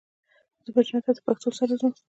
زه به جنت ته د پښتو سره ځو